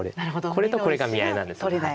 これとこれが見合いなんです。